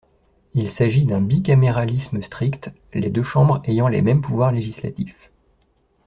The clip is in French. Il s'agit d'un bicaméralisme strict, les deux chambres ayant les mêmes pouvoirs législatifs.